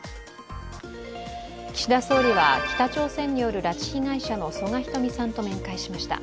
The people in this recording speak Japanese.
岸田総理は北朝鮮による拉致被害者の曽我ひとみさんと面会しました。